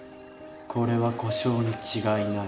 これは故障に違いない。